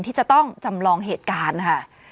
ที่จะต้องจำลองเหตุการณ์ค่ะ